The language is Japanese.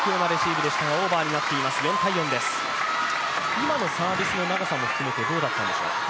今のサービスの長さも含めてどうだったんでしょう？